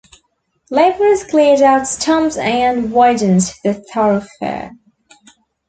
Laborers cleared out stumps and widened the thoroughfare.